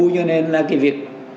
cho nên là cái việc